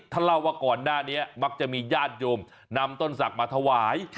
เล่าว่าก่อนหน้านี้มักจะมีญาติโยมนำต้นศักดิ์มาถวาย